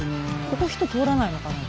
ここ人通らないのかな？